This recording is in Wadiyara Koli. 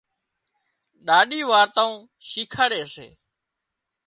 ڏاڏِي وارتائون شيکاڙي سي